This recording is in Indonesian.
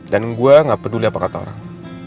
dan gue gak peduli apa kata orang